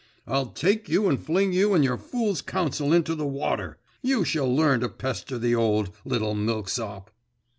'I'll take you and fling you and your fool's counsel into the water. You shall learn to pester the old, little milksop!